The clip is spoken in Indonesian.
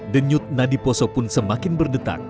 denyut nadi poso pun semakin berdetak